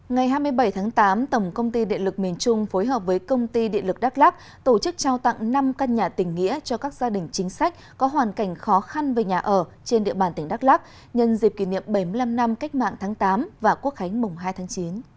ngày hai mươi bảy tháng tám tổng công ty điện lực miền trung phối hợp với công ty điện lực đắk lắk tổ chức trao tặng năm căn nhà tỉnh nghĩa cho các gia đình chính sách có hoàn cảnh khó khăn về nhà ở trên địa bàn tỉnh đắk lắc nhân dịp kỷ niệm bảy mươi năm năm cách mạng tháng tám và quốc khánh mùng hai tháng chín